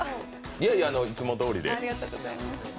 いやいや、いつもどおりで。